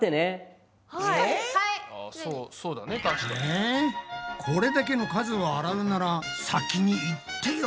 えこれだけの数を洗うなら先に言ってよ！